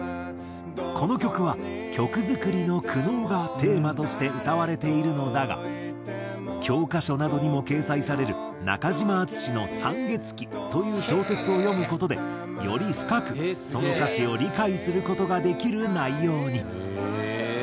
この曲は曲作りの苦悩がテーマとして歌われているのだが教科書などにも掲載される中島敦の『山月記』という小説を読む事でより深くその歌詞を理解する事ができる内容に。